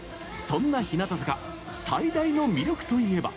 そんな日向坂最大の魅力と言えば。